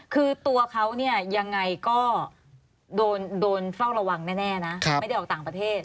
คือตัวเขาเนี่ยยังไงก็โดนเฝ้าระวังแน่นะไม่ได้ออกต่างประเทศ